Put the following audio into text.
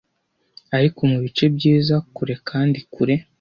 Ariko mubice byiza, kure kandi kure,